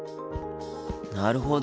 なるほど。